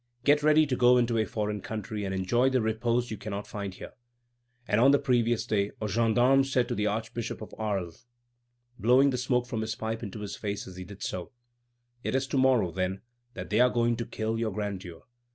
Get ready to go into a foreign country and enjoy the repose you cannot find here." And on the previous day a gendarme had said to the Archbishop of Arles, blowing the smoke from his pipe into his face as he did so: "It is to morrow, then, that they are going to kill Your Grandeur."